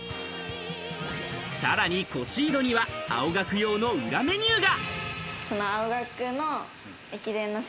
さらにコシードには青学用の裏メニューが。